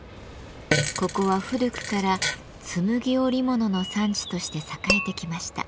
ここは古くからつむぎ織物の産地として栄えてきました。